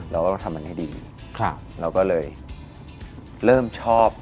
เราก็ต้องทำมันให้ดีครับเราก็เลยเริ่มชอบ